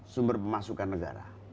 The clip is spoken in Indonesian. sumber pemasukan negara